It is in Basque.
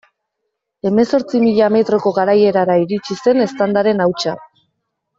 Hemezortzi mila metroko garaierara iritsi zen eztandaren hautsa.